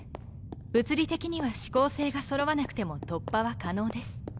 物理的には四煌星がそろわなくても突破は可能です。